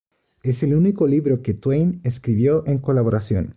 Es el único libro que Twain escribió en colaboración.